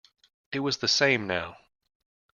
It was the same now.